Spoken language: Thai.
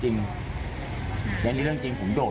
จริงในเรื่องจริงผมโดด